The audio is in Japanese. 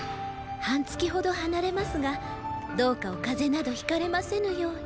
半月ほど離れますがどうかお風邪などひかれませぬように。